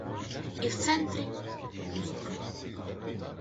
І в центрі — пустка.